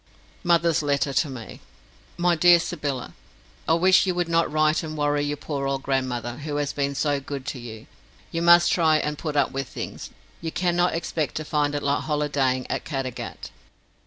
Mother's Letter to Me MY DEAR SYBYLLA, I wish you would not write and worry your poor old grandmother, who has been so good to you. You must try and put up with things; you cannot expect to find it like holidaying at Caddagat.